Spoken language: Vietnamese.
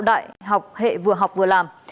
đại học hệ vừa học vừa làm